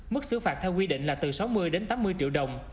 mức xứ phạt theo quy định là từ sáu mươi đến tám mươi triệu đồng